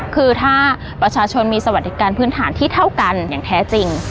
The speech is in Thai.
คือถ้าประชาชนมีสวัสดิการพื้นฐานที่เท่ากันอย่างแท้จริง